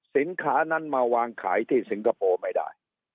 สินค้านั้นมาวางขายที่สิงคโปร์ไม่ได้